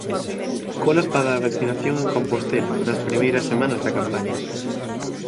Colas para a vacinación en Compostela, nas primeiras semanas da campaña.